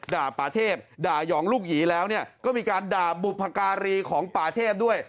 ป่าป่าเทพด่ายองลูกหยีแล้วก็มีการด่าบุพการีของป่าเทพด้วย